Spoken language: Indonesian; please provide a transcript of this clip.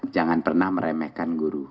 jangan pernah meremehkan guru